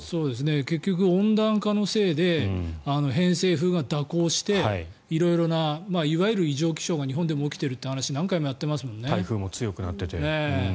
結局、温暖化のせいで偏西風が蛇行して色々ないわゆる異常気象が日本でも起きているという話台風も強くなっていて。